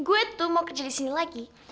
gue tuh mau kerja disini lagi